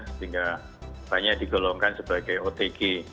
sehingga banyak digolongkan sebagai otg